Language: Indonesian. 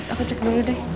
aku cek dulu deh